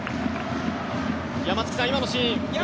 松木さん、今のシーン。